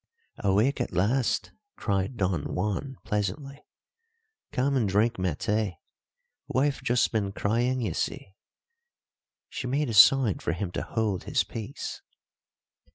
"Awake at last!" cried Don Juan pleasantly. "Come and drink maté. Wife just been crying, you see." She made a sign for him to hold his peace.